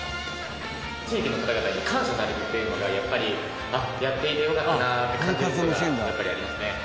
地域の方々に感謝されるっていうのがやっていてよかったなって感じる事がやっぱりありますね。